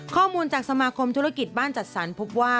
ข้อมูลจากสมาคมธุรกิจบ้านจัดสรรพบว่า